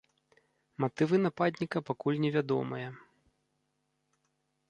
Матывы нападніка пакуль не вядомыя.